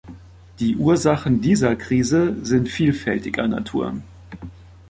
Die Ursachen dieser Krise sind vielfältiger Natur.